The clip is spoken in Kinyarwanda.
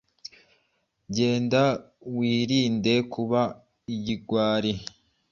Uge wirinda kuba ikigwari,